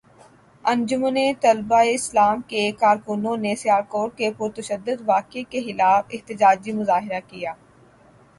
انجمن طلباء اسلام کے کارکنوں نے سیالکوٹ کے پرتشدد واقعے کے خلاف احتجاجی مظاہرہ کیا